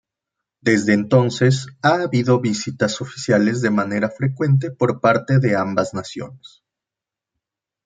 Desde entonces, ha habido visitas oficiales de forma frecuente por parte de ambas naciones.